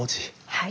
はい。